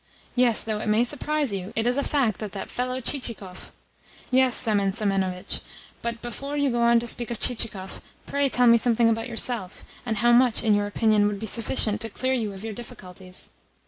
Yes, though it may surprise you, it is a fact that that fellow Chichikov " "Yes, Semen Semenovitch, but, before you go on to speak of Chichikov, pray tell me something about yourself, and how much, in your opinion, would be sufficient to clear you of your difficulties?"